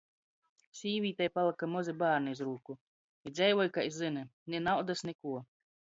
Sīvītei palyka mozi bārni iz rūku. I dzeivoj, kai zyni. Ni naudys, ni kuo.